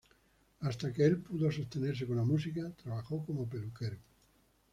Hasta que el pudo sostenerse con la música, trabajó como peluquero.